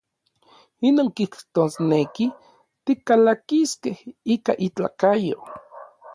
Inon kijtosneki, tikalakiskej ika itlakayo.